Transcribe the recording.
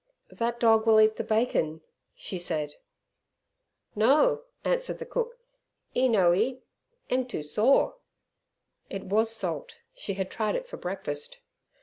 "That dog will eat the bacon," she said. "No!" answered the cook. "'E no eat 'em too saw." It was salt; she had tried it for breakfast.